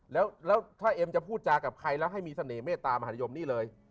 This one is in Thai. แล้วถ้าเอ็มจะพูดจากับใครแล้วให้มีเสน่หมตามหานิยมนี่เลย